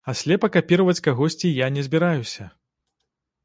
А слепа капіраваць кагосьці я не збіраюся.